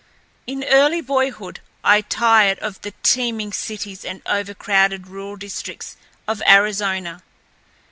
In early boyhood I tired of the teeming cities and overcrowded rural districts of Arizona.